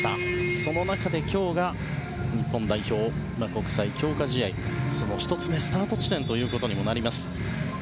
その中で今日が日本代表、国際強化試合その１つ目スタート地点となります。